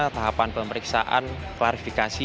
tahapan pemeriksaan klarifikasi